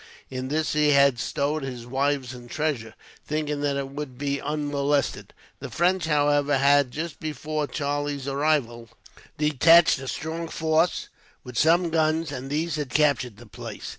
In this he had stowed his wives and treasure, thinking that it would be unmolested. The French, however, had, just before Charlie's arrival, detached a strong force with some guns, and these had captured the place.